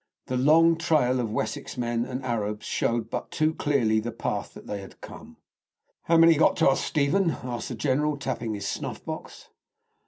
The long trail of Wessex men and Arabs showed but too clearly the path they had come. "How many got into us, Stephen?" asked the general, tapping his snuff box.